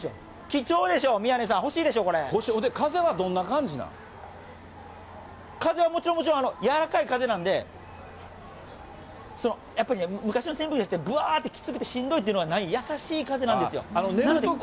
貴重でしょ、宮根さん、欲しいで欲しい、で、風はどんな感じ風はもちろんもちろん、柔らかい風なんで、やっぱりね、昔の扇風機みたいにぶわーってきつくて、しんどいっていうのはない、優しい風なんですよ。